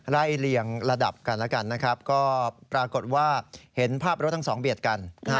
เลี่ยงระดับกันแล้วกันนะครับก็ปรากฏว่าเห็นภาพรถทั้งสองเบียดกัน